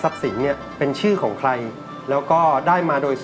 สินเนี่ยเป็นชื่อของใครแล้วก็ได้มาโดย